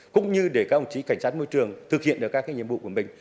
cũng như để các ông chí cảnh sát môi trường thực hiện được các nhiệm vụ của mình